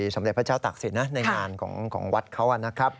สำเร็จพระเจ้าตักศิลป์ในงานของวัดเขา